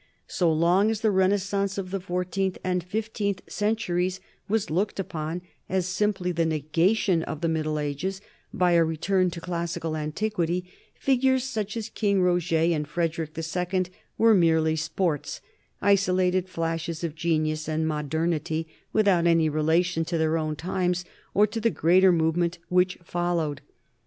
So long as the Renaissance of the fourteenth and fifteenth centuries was looked upon as simply the negation of the Middle Ages by a return to classical antiquity, figures such as King Roger and Frederick II were merely 'sports,' isolated flashes of genius and modernity with out any relation to their own times or to the greater movement which followed.